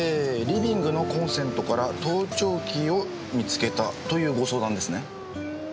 「リビングのコンセントから盗聴器を見つけた」というご相談ですね？